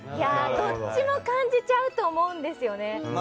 どっちも感じちゃうと思うんですよね。